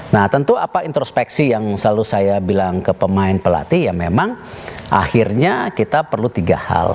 nah tentu apa introspeksi yang selalu saya bilang ke pemain pelatih ya memang akhirnya kita perlu tiga hal